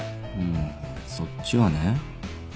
うんそっちはね。